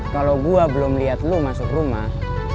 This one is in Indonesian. kalo gue belum liat lo masuk rumah